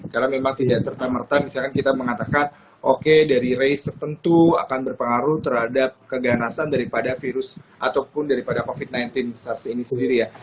karena memang tidak serta merta misalkan kita mengatakan oke dari race tertentu akan berpengaruh terhadap keganasan daripada virus ataupun daripada covid sembilan belas sars ini sendiri ya